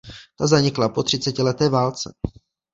Ta zanikla po třicetileté válce.